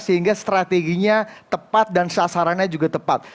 sehingga strateginya tepat dan sasarannya juga tepat